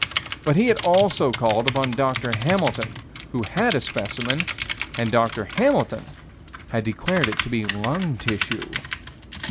But he had also called upon Dr. Hamilton, who had a specimen, and Dr. Hamilton had declared it to be lung tissue.